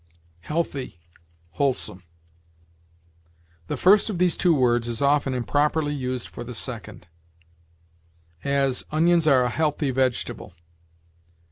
HEALTHY WHOLESOME. The first of these two words is often improperly used for the second; as, "Onions are a healthy vegetable."